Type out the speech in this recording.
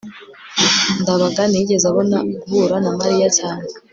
ndabaga ntiyigeze abona guhura na mariya cyane